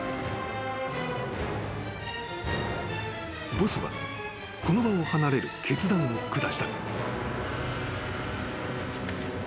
［ボスはこの場を離れる決断を下した］